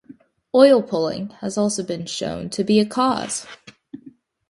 Oil pulling has also been shown to be a cause.